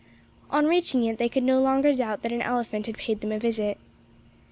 On reaching it, they could no longer doubt that an elephant had paid them a visit.